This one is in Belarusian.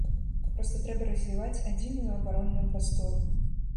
Проста трэба развіваць адзіную абаронную прастору.